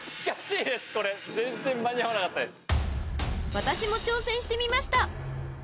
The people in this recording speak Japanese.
［私も挑戦してみました］